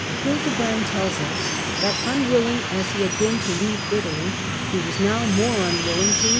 Hildebrand tells us * that, unwilling as he had Aocom been to leave Italy, he was now more unwilling Hi?